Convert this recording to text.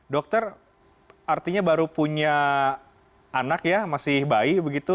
dokter artinya baru punya anak ya masih bayi begitu